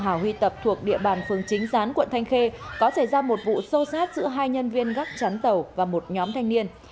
hảo huy tập thuộc địa bàn phường chính gián quận thanh khê có xảy ra một vụ sâu sát giữa hai nhân viên gác chắn tàu và một nhóm thanh niên